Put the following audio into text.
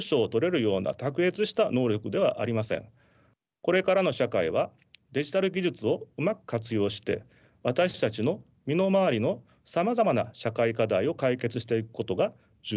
これからの社会はデジタル技術をうまく活用して私たちの身の回りのさまざまな社会課題を解決していくことが重要となります。